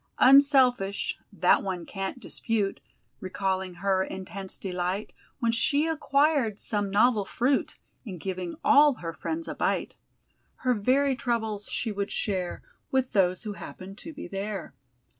Unselfish, that one can't dispute, Recalling her intense delight, When she acquired some novel fruit, In giving all her friends a bite; Her very troubles she would share With those who happened to be there.